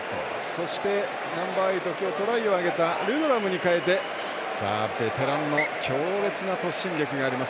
そしてナンバーエイト今日トライを挙げたルドラムに代えてベテランの強烈な突進力があります